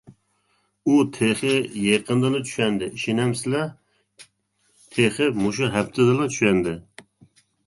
ئۇ تېخى يېقىندىلا چۈشەندى، ئىشىنەمسىلەر؟ تېخى مۇشۇ ھەپتىدىلا چۈشەندى.